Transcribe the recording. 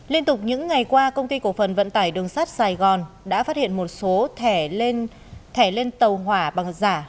liên tục những ngày qua công ty cổ phần vận tải đường sắt sài gòn đã phát hiện một số thẻ lên thẻ lên tàu hỏa bằng giả